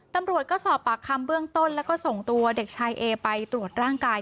ตำรวจก็สอบปากคำเบื้องต้นแล้วก็ส่งตัวเด็กชายเอไปตรวจร่างกาย